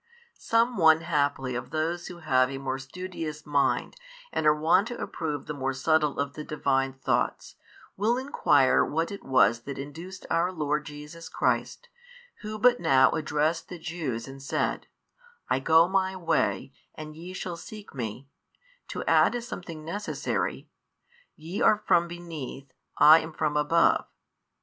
Some one haply of those who have a more studious mind and are wont to approve the more subtle of the Divine Thoughts, will enquire what it was that induced our Lord Jesus Christ, Who but now addressed the Jews and said, I go My way, and ye shall seek Me, to add as something necessary, YE are from beneath, I am from above.